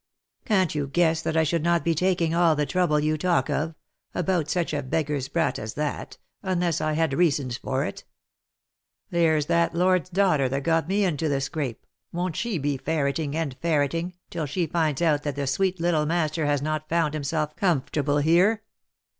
Can't you guess that I should not be taking all the trouble you talk of, about such a beggar's brat as that, unless I had reasons for it. There's that lord's daughter that got me into the scrape, won't she be ferreting and ferreting till she finds out that the sweet little master has not found himself comfortable here